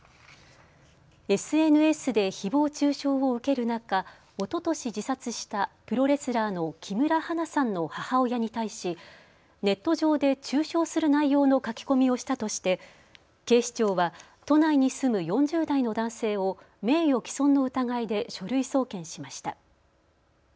ＳＮＳでひぼう中傷を受ける中、おととし自殺したプロレスラーの木村花さんの母親に対しネット上で中傷する内容の書き込みをしたとして警視庁は都内に住む４０代の男性を名誉毀損の疑いで書類送検しました。